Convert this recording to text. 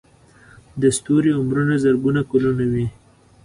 د ستوري عمرونه زرګونه کلونه وي.